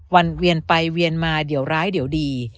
เวียนไปเวียนมาเดี๋ยวร้ายเดี๋ยวดี